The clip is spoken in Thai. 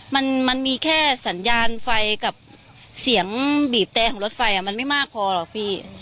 มันมันมีแค่สัญญาณไฟกับเสียงบีบแต่ของรถไฟมันไม่มากพอหรอกพี่